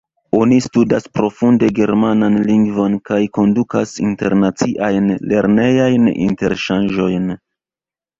Oni studas profunde germanan lingvon kaj kondukas internaciajn lernejajn interŝanĝojn.